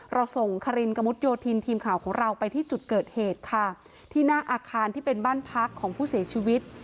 เราส่งคารินกระมุดโยธินทีมข่าวของเราไปที่จุดเกิดเหตุค่ะที่หน้าอาคารที่เป็นบ้านพักของผู้เสียชีวิต